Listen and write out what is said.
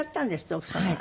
奥様が。